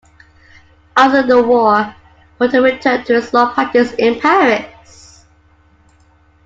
After the war, Porter returned to his law practice in Paris.